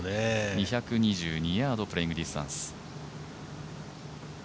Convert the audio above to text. ２２２ヤード、プレーイング・ディスタンス。